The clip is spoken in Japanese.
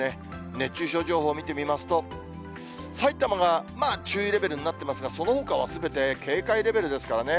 熱中症情報見てみますと、さいたまが、まあ注意レベルになっていますが、そのほかはすべて警戒レベルですからね。